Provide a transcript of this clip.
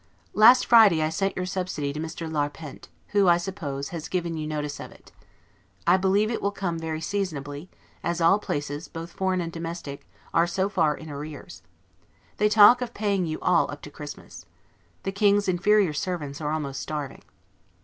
Last Friday I sent your subsidy to Mr. Larpent, who, I suppose, has given you notice of it. I believe it will come very seasonably, as all places, both foreign and domestic, are so far in arrears. They talk of paying you all up to Christmas. The King's inferior servants are almost starving.